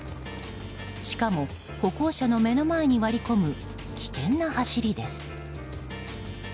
しかも歩行者の目の前に割り込む危険な走りです。